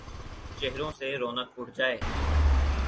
، چہروں سے رونق اڑ جائے ،